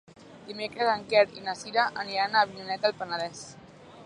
Dimecres en Quer i na Sira aniran a Avinyonet del Penedès.